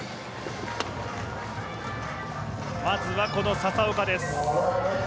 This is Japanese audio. まずは笹岡です。